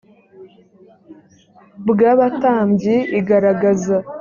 bw abatambyi igaragaza